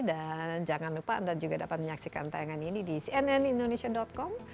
dan jangan lupa anda juga dapat menyaksikan tayangan ini di cnnindonesia com